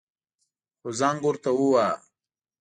خو زنگ ورته وواهه.